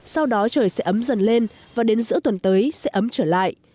sau đó trời sẽ ấm dần lên và đến giữa tuần tới sẽ ấm trở lại